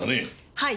はい。